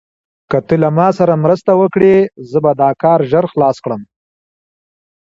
که ته له ما سره مرسته وکړې، زه به دا کار ژر خلاص کړم.